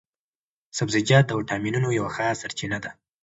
سبزیجات د ویټامینو یوه ښه سرچينه ده